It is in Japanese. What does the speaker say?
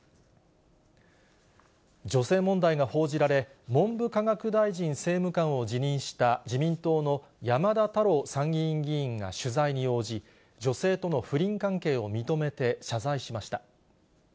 女性問題が報じられ、文部科学大臣政務官を辞任した自民党の山田太郎参議院議員が取材に応じ、女性との不倫関係を認めて謝罪しました。